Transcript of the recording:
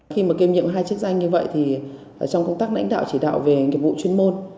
khi mà kiêm nhiệm hai chức danh như vậy thì trong công tác lãnh đạo chỉ đạo về nghiệp vụ chuyên môn